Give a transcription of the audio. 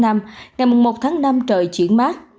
ngày mùng một tháng năm trời chuyển mát